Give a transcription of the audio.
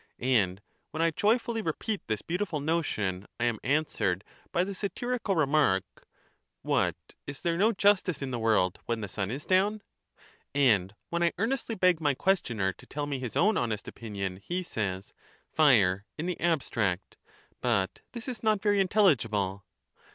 And when I joyfully repeat this beautiful notion, I am answered by the satirical remark, ' What, is there no justice in the world when the sun is down?' And when I earnestly beg my questioner to tell me his own honest opinion, he says, ' Fire in the abstract;' but this is not very intelligible.